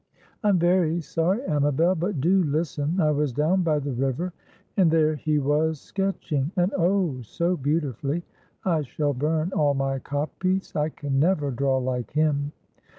"I'm very sorry, Amabel, but do listen. I was down by the river, and there he was sketching; and oh, so beautifully! I shall burn all my copies; I can never draw like him.